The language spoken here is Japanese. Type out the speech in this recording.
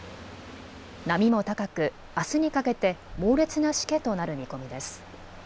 波も高く、あすにかけて猛烈なしけとなる見込みです。